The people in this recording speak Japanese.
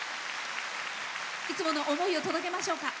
いつもの思いを届けましょうか。